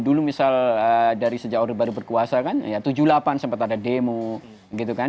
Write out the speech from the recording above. dulu misal dari sejak orde baru berkuasa kan ya tujuh puluh delapan sempat ada demo gitu kan